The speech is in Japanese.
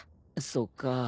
そうか。